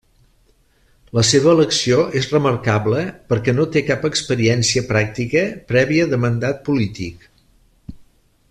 La seva elecció és remarcable perquè no té cap experiència pràctica prèvia de mandat polític.